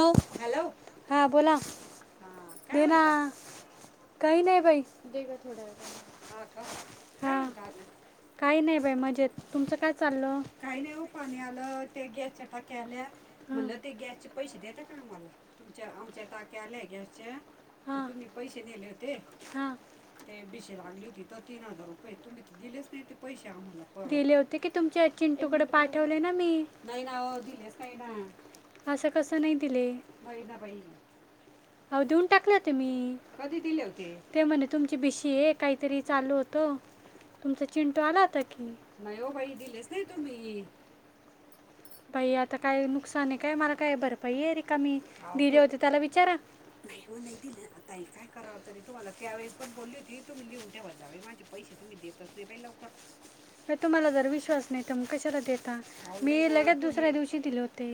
Hello हा बोला दे ना. काही नाही बाई हा. काही नाही बाई मजेत तुमचं काय चाललं? काही ना हो पाणी आलं ते गॅसच्या टाके आल्या म्हणलं ते गॅस चे हा हा. दिले होते कि तुमच्या चिंटूकड पाठवले ना मी. अस कसं तसं नाही दिले. हो देऊन टाकले होते मी कधी दिले होते ते म्हणे, तुमची बिशी काहीतरी चालू हो तो तुमचा चिंटू आला होता कि नाही? बाई आता काय नुकसान आहे काय मला काय बरंपाई आहे रिकामी दिले होते त्याला विचारा. नाही हो नाही दिलं आता काय करावं तरी तुम्हाला त्यावेळेस पण बोलली होती तुम्ही लिहून ठेवा जावे माझे. पैशे तुम्ही देतच नाही बाई लवकर. तुम्हाला जर विश्वास नाही तर म कशाला देता मी लगेच दुसऱ्या दिवशी दिले होते.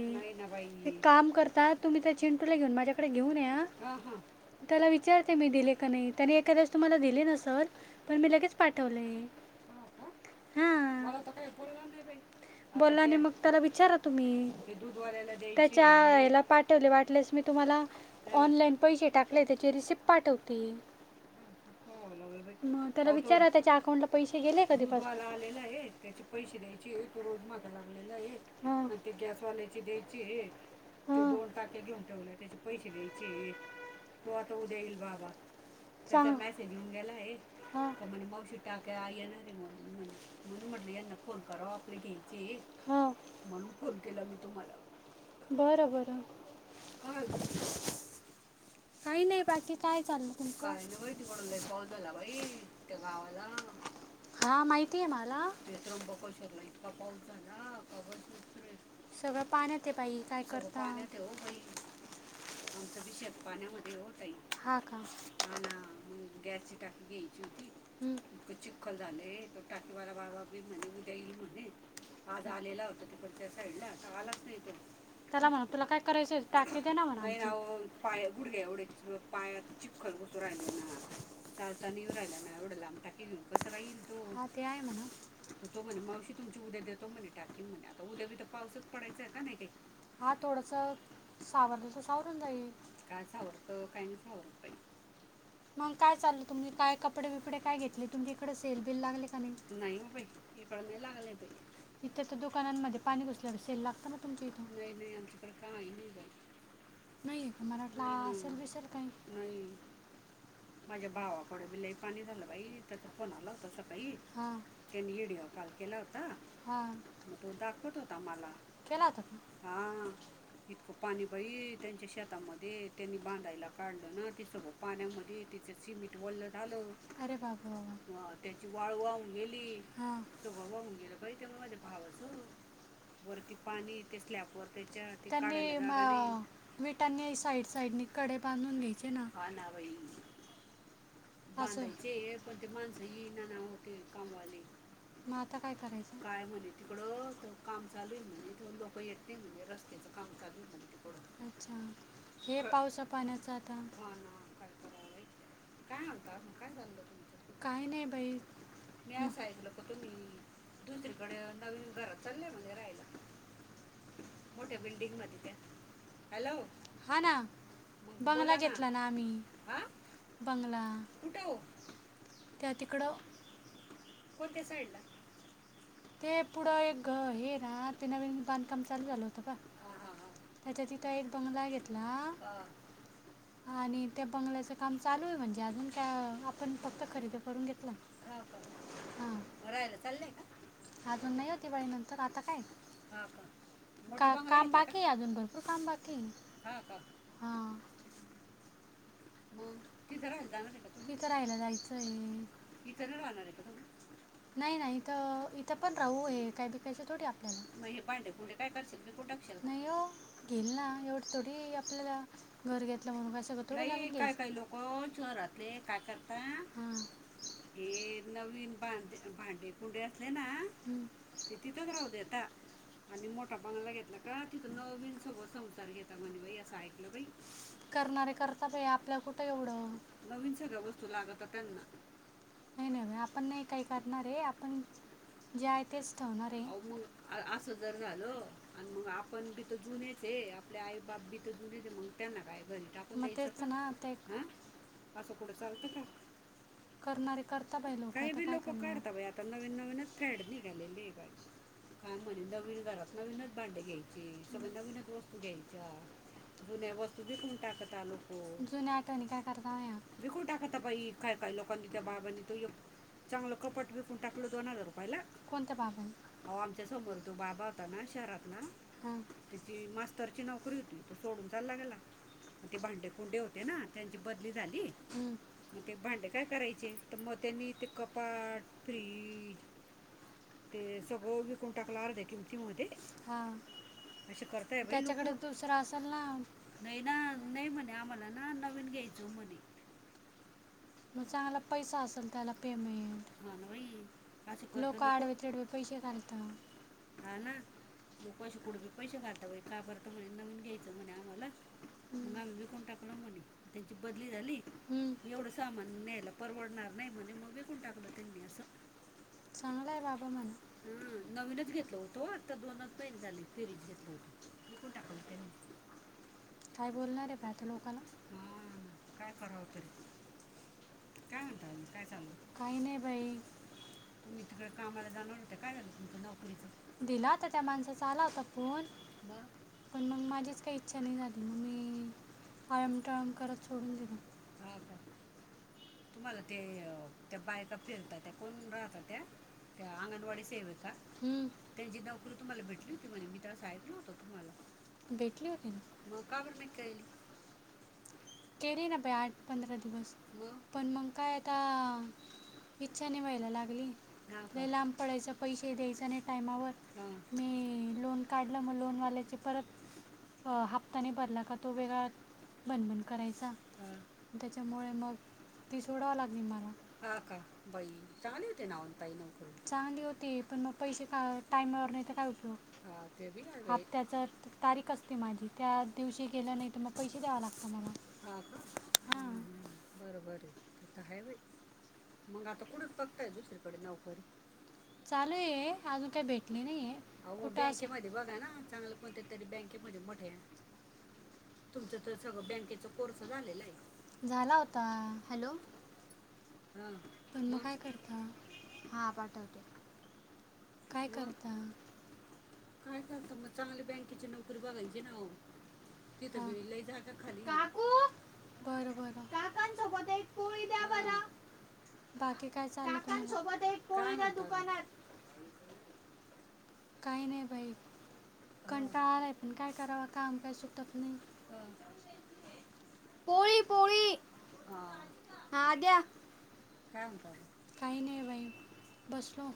एक काम करता तुम्ही त्या चिंटूला घेऊन माझ्याकडे घेऊन या. त्याला विचारते मी दिले का नाही त्याने एखाद्यास तुम्हाला दिले नसल पण मी लगेच पाठवलेय. हा का मला तर काही बोलणार नाही बाई. बोलला नाही मग त्याला विचारा तुम्ही. त्याच्या आईले पाठवले वाटलेस मी तुम्हाला. ऑनलाइन पैसे टाकले त्याची रिसिट पाठवते. हा ते पावा लागल बाई तो हाव दुधवाला आलेला आहे त्याचे पैसे द्यायचे आहे तो रोज मागे लागलेला हे आणि ते गॅसवाल्याची द्यायचे आहे. ते दोन टाक्या घेऊन ठेवले त्याचे पैसे द्यायचे ये तो आता उद्या येईल बाबा. चांग हा. हा. बरं बरं. काय? काही नाही बाकी काय चालल तुमच? हा माहितीय आहे मला. सगळं पाण्यात सगळं पाण्यात हो बाई आमचं बी शेत पाण्यामध्ये ओ ताई. हा ना मग गॅसची टाकी घ्यायची होती इतकं चि खल झाले तो टाकीवाला बाबा बी म्हणे उद्या येईल म्हणे. आज आलेला होता तिकडच्या साईडला तर आलाच नाही तो. त्याला म्हणा तुला काय करायचं टाकी दे ना म्हणायचे. पाया उडले एवढ्या पाया चिखल घुसून राहिला. [unintelligible] हा ते आहे म्हणा. पाऊसात पडायच्या का नाही? हा थोडस सावर जसं सावरच राहील. काय सावरतो काही नाही सावरत बाई. नाय हो बाई. इकडं नाही लागलय बाई. इथं तर दुकानांमध्ये पाणी घुसल्या सेल लागता ना तुमच्या इ नाही नाही आमच्याकडे काही नाही बाई. नाही मराठला असेल बीसेल काही. माझ्या भावाकडे बी लई पाणी झालं बाई त्याचा फोन आला होता सकाळी. हा केला होता हा. इतकं पाणी बाई त्यांच्या शेतामध्ये त्यांनी बांधायला काढलं ना ते सगळं पाण्यामध्ये तिचं सिमिंट वल्ल झालं, त्याची वाळू वाहून गेली. सगळं वाहून गेलं बाई तेव्हा माझ्या भावाचं वरती. पाणी ते स्लॅब वर त्याच्या ते काढायला जागा नाहीये. साईडने कडे बांधून घ्यायचे ना. ना बाई. बांधायचे पण ते माणसंही ना ना होते कामवाले. मग आता काय करायचं. काय म्हणे तिकडं तर काम चालू ये म्हणे म्हणजे रस्त्याचं काम चालू म्हण तिकडं. अच्छा. हे पावसा पाण्याचं आता. हां ना. काय कराव बाई काय म्हणता, काय चाललं तुमचं काय नाही बाई. मी असं ऐकलं क तुम्ही, दुसरीकडे नवीन घरात चालल्या म्हणे राहायला. [inaudible] मोठ्या बिल्डिंगमध्ये त्या हॅलो! हा ना बंगला घेतला ना, आम्ही बंगला. कुठं ओ. त्या तिकडं. ते पुढं एक ग.. हेना. ते नवीन बांधकाम चालू झालं होतं का? हा हा हा.. त्याचा तिथं एक बंगला घेतला. अ. आणि त्या बंगल्याच काम चालू आहे म्हणजे अजून. का आपण फक्त खरेदी करून घेतलं. ह का, मग राहाला चालंय का. अजून नाही होती बाई नंतर आता काय. हा का. का-काम बाकी ये अजून भरपूर काम बाकी ये. हा का हा... बन. तिथं रायला जायचंय. नाही नाही तर इथं पण राहू ये. काय बिकायचय थोडी आपल्याला. भांडे कुंडे काय करशील, विकून टाकशील का नाही ओ. घील ना एवढं थोडी आपल्याला घर घेतलं म्हणून काय सगळ कं थोडं सांगेल. काय काय काही लोक शहरातले काय करता, हे नवीन भांडी. भागी पुढे असते ना त तिथच राहते आ का. आणि मोठा बंगला घेतला का, तिथं नवीन सगळं संसार घेता म्हणे बाई असं ऐकलं बाई. करणारे करतात हे आपल्या कुठं एवढं. नवीन सगळ्या वस्तू लागत त्यांना. नाही नाही आपण नाही काही करणार ये आपण. जे आहे तेच ठेवणार आहे, आहो मग असं जर झालं मग आपण तिथ‌ जूनेचं ये. आपले आई बाप बी तर जूनेचं मग त्यांना काय घरी टाकून द्यायचं का. करणारे. करता बाई लोकं आता काय करणार. काय म्हणे नवीन घरात नवीनच भांडे घ्यायचे. सगळ्या नवीनच वस्तू घ्यायच्या. जुन्या वस्तू बीकून टाकत आलोक. बिकू टाकात बाई. काय काय लोकांनी त्या बाबांनी तर एक, चांगल कपाट विकून टाकल दोन हजार रुपयला, कोणत्या बाबांनी अहो आमच्या समोर चं. तो बाबा होता ना शहरातला, त्याची मास्तरची नोकरी होती. तो सोडून चालला गेला. मग ते भांडे कुंडे होते. तेना त्यांची बदली झाली. मग ते भांडे काय करायचे. तर मग त्यांनी, ते कपाट फ्रीज. ते सगळ विकून टाकलं अर्धा किंमतीमध्ये. हा... त्यांच्याकडे दुसरं असल ना, नाही ना नाही म्हणे आम्हाला. ना नवीन घ्यायचं म्हणे. मग चांगला पैसा असेल त्याला पेमेंट. लोक आडवे तिडवे पैसे घालतात. हा ना. लोक असे कुठं बी पैसे घालता. बाई का बरं बाई? तर म्हणे नवीन घ्यायचं म्हणे आम्हाला. मग आम्ही विकून टाक [unintelligible] म्हणे त्यांची बदली झाली. मी एवढं सामान न्यायला परवडणार नाही म्हणे, मग मी कोण टाकलं त्यांनी असं. चांगलाय बाबा म्हणावं. हम्म नवीनच घेत घेत होतो आत्ता दोनच महिने झाले फिरीज घेतल होतो विकून टाकवलं त्यांनी. काय बोलणार आहे काय आता लोकांना? हा ना काय करावं तरी. काय म्हणता अजून काय चाललंय? काही नाही बाई. दिला होता त्या माणसाचा, आला होता फोन. मग. पण मग माझीच काही इच्छा नाही झाली मग मी. आयम टाळम करत सोडून दिलं. हा का? तुम्हाला ते त्या बायका फिरतात त्या कोण राहता त्या त्या अंगणवाडी सेवीका. हम्म. भेटली होती केली ना. [unintelligible] पंधरा दिवस. मग. पण मंग काय आता, इच्छा नाही व्हायला लागली. लई लांब पडायचं पैसेही द्यायचे नाही टायमावर. मी लोन काढलं मग लोनवाल्याचे परत. अ हप्ता नाही भरला का तो वेगळा बनबीन करायचा. हा. त्याच्यामुळे मग ती सोडाव लागली मला. चांगली होती, पण मग पैसे का टयमावर नाही तर काय उपयोग. हप्त्याच तारीख असते माझी त्या दिवशी गेलं नाही तर मग पैसे द्यावा लागत मला. हा का? हम्म हम्म बरोबर आहे. तिथं आहे बाई. मग आता कुठ बघताय दुसरीकडे नोकरी. अहो मग बँकेमध्ये बघा ना चांगलं. कोणत्या तरी बँकेमध्ये मोठ्या. [inaudible] तुमचं तर सगळं बँकेचं. झाला होता हॅलो. हा. पण मग काय करता? हा पाठवते. काय करता? काय करत मग चांगली बँकेची नोकरी बघायचीना हो. काकू बर बर काकांसोबत एक पोळीला द्या बर. बाकी काय चाललंय [unintelligible] काय नाही बाई. कंटाळा आलाय, पण काय करावं काम काय सुटत नाही. पोळी पोळी. हा द्या. काही नाही बाई बसलो.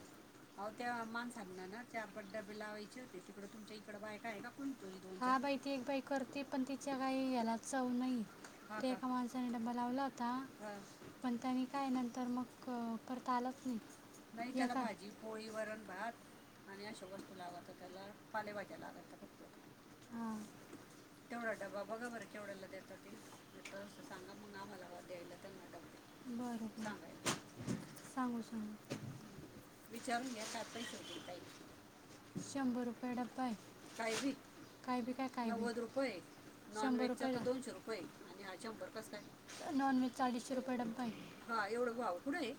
आहो त्या माणसांना ना. चार पाट डबे लावायचे होते तिकडं तुमच्या इकड बायक आहे का कोणीतोरी दोनच्या. एक बाई करती. पण तिच्या काही ह्याला चव नाही, ते एका माणसाने डब्बा लावला होता. पण त्यांनी काय नंतर मग परत‌आलंच नाही. नाही त्याला भाजी पोळी वरण भात. आणि अशा वस्तू लागतात त्याला पालेभाज्या लागतात फक्त. हा.. तेवढा डबा बघा बरं केवढ्याला देतात ते [unintelligible] बरं का, सांगू सांगू विचार [unintelligible] शंभर रुपये डबा आय, काय बी काय बी काय. काय बी नव्वद रूपये शंभर रुपये द्या, दोनशे रुपये हा शंभर कस काय. नॉनव्हेज चा अडीचशे रुपये डब्बा, ह.. एवढा भाव कुठंय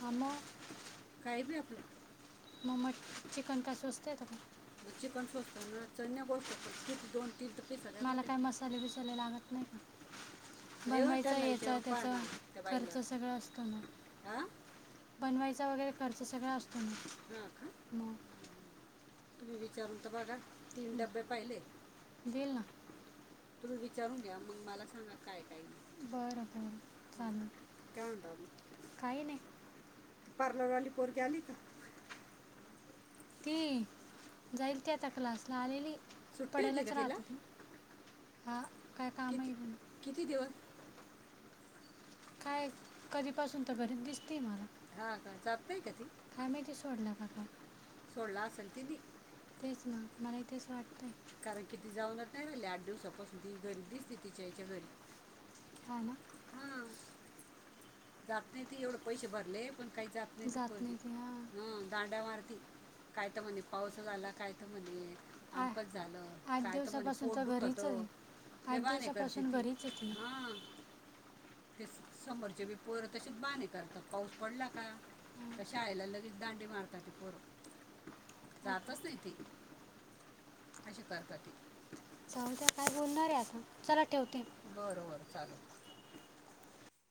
हा मंग. काय बी आपलं. मग म चिकन काय स्वस्त येतं काय. चिकन स्वस्त मला काय मस् [unintelligible] साले दिसाला लागत नाही का. बनवायचा हेचा तेचा खर्च सगळा असतो ना. बनवायचा वगैरे खर्च सगळा असतो ना. हा का. न [unintelligible] [unintelligible] तुम्ही विचारून घ्या मग मला सांगा काय काही नाही बरं बरं [unintelligible] काय नाही [unintelligible] ती जाईल ती आता क्लासला आलेली पडेलच राहत हा काय किती किती दिवस? काय कधीपासून तर बरच दिसते मला काय माहिती सोडलं का [unintelligible] तेच ना मलाही तेच वाटतं कारण की ती जाऊनच नाही राहिली आठ दिवसापासून ती घरी दिसते तिच्या आईच्या घरी. ह ना? जात नाही ती एवढे पैसे भरले पण काही जात जात नाही दांड्या मारते [unintelligible] काय तर म्हणे, पाऊसच आला काय तर म्हणे. आमकंच झालं काय त म्हणे पोट दुखत लय बहाने करते ती हा. ते समोरचे बी पोर तसेच बाहाने करतात. पाऊस पडला का शाळेला लगेच दांडी मार [unintelligible] [inaudible] जातच ती असे करतातते. जाउद्या काय बोलणार आता चला ठेवते [unintelligible]